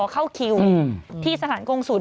เข้าคิวที่สถานกงศูนย